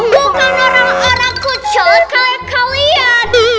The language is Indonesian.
bukan orang orang kucel kayak kalian